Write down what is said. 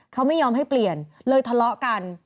เขาไม่ยอมให้เปลี่ยนเลยทะเลาะกัน